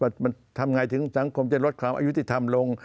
ทำอย่างไรถึงสังคมจะลดความอายุทธิธรรมลง